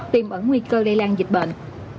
tìm ẩn nguy cơ lây lan dịch bệnh